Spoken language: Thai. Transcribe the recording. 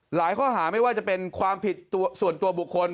ข้อหาไม่ว่าจะเป็นความผิดส่วนตัวบุคคล